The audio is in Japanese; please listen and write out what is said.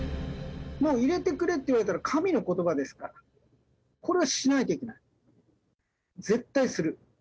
入れてくれって言われたら、神のことばですから、これはしないといけない、絶対する。